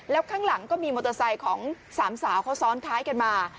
แล้วข้างหลังก็มีมอเตอร์ไซค์ของสามสาวเขาซ้อนท้ายกันมา